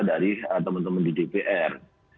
jadi teman teman di dpr